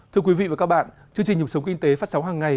thưa quý vị và các bạn chương trình dục sống kinh tế phát sóng hằng ngày